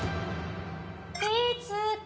「いつか」